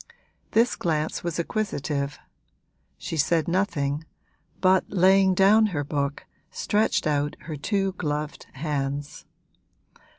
This glance was acquisitive; she said nothing, but laying down her book stretched out her two gloved hands.